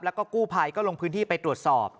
แล้วก็กู้ภัยก็ลงพื้นที่ไปตรวจสอบ